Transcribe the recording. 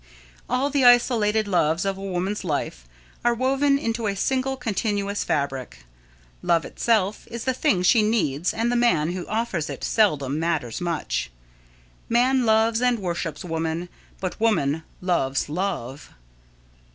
All the isolated loves of a woman's life are woven into a single continuous fabric. Love itself is the thing she needs and the man who offers it seldom matters much. Man loves and worships woman, but woman loves love.